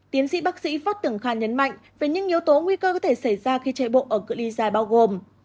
tiến sĩ bác sĩ phát tưởng kha nhấn mạnh về những yếu tố nguy cơ có thể xảy ra khi chạy bộ ở cựa ly dài bao gồm